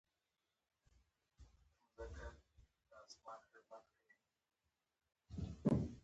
ولسمشر غني په يو پيغام کې ويلي